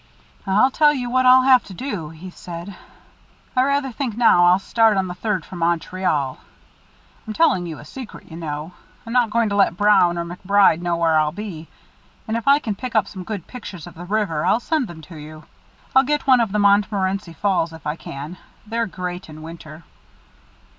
"I'll tell you what I'll have to do," he said. "I rather think now I'll start on the third for Montreal. I'm telling you a secret, you know. I'm not going to let Brown or MacBride know where I'll be. And if I can pick up some good pictures of the river, I'll send them to you. I'll get one of the Montmorency Falls, if I can. They're great in winter."